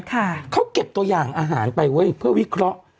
เขาเก็บตัวอย่างอาหารไปเว้ยเพื่อวิเคราะห์